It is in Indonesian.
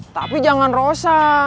tapi jangan rosa